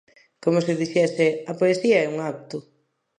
Como se dixese a poesía é un acto.